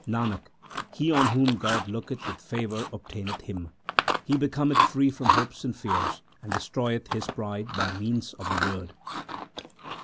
Nanak, he on whom God looketh with favour obtaineth Him. He becometh free from hopes and fears, and destroyeth his pride by means of the Word.